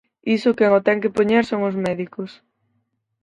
Iso quen o ten que poñer son os médicos.